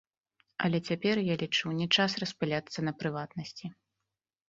Але цяпер, я лічу, не час распыляцца на прыватнасці.